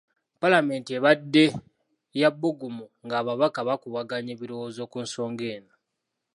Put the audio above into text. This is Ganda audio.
Paalamenti ebadde ya bbugumu ng’ababaka bakubaganya ebirowoozo ku nsonga eno.